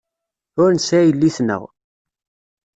Ur nesεi yelli-tneɣ.